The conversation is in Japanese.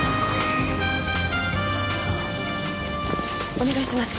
お願いします。